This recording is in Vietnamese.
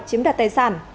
chiếm đạt tài sản